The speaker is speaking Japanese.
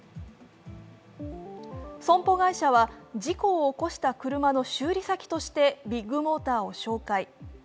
損保会社は事故を起こした車の修理先としてビッグモーターを紹介。